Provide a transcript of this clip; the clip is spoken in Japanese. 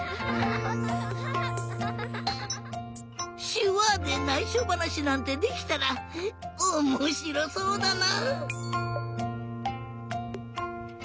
しゅわでないしょばなしなんてできたらおもしろそうだな！